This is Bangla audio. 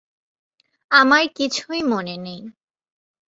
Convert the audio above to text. আমার কিছুই মনে নেই।